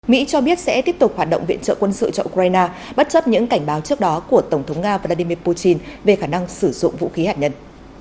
mỹ cho biết sẽ tiếp tục hoạt động viện trợ quân sự cho ukraine bất chấp những cảnh báo trước đó của tổng thống nga vladimir putin về khả năng sử dụng vũ khí hạt nhân